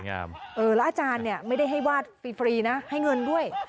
แล้วอาจารย์เนี่ยไม่ได้ให้วาดฟรีนะให้เงินด้วย